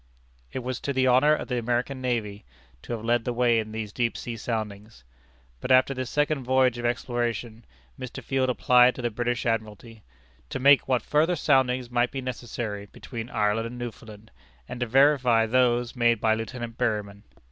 It was to the honor of the American navy, to have led the way in these deep sea soundings. But after this second voyage of exploration, Mr. Field applied to the British Admiralty, "to make what further soundings might be necessary between Ireland and Newfoundland, and to verify those made by Lieutenant Berryman."